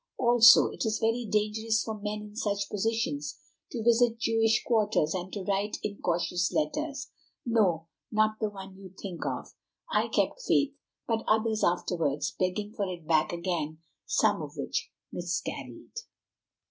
"Also, it is very dangerous for men in such positions to visit Jewish quarters and to write incautious letters—no, not the one you think of; I kept faith—but others, afterwards, begging for it back again, some of which miscarried."